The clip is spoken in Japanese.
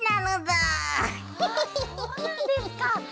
あそうなんですか。